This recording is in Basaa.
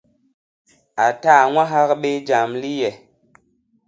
A ta a ññwahak bé jam li e?